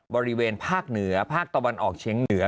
บริเวณภาคเหนือภาคตะวันออกเชียงเหนือ